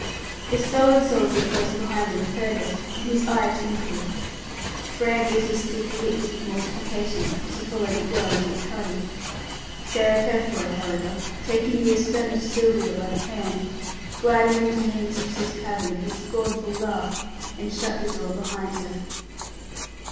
The stolid soldier close beside them heard it, and his eye twinkled. Frere bit his thick lips with mortification, as he followed the girl into the cuddy. Sarah Purfoy, however, taking the astonished Sylvia by the hand, glided into her mistress's cabin with a scornful laugh, and shut the door behind her.